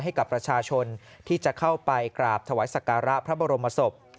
ให้กับประชาชนที่จะเข้าไปกราบถวายสการะพระบรมศพ